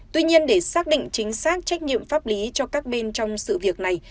tuy nhiên để xác định chính xác trách nhiệm pháp lý cho các bên trong sự việc này